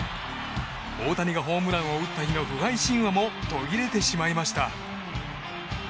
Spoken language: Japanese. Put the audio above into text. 大谷がホームランを打った日の不敗神話も途切れてしまいました。